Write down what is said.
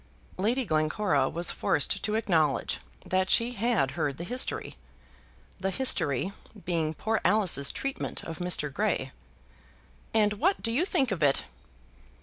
Lady Glencora was forced to acknowledge that she had heard the history, "the history" being poor Alice's treatment of Mr. Grey. "And what do you think of it?"